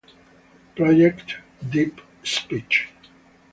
Project DeepSpeech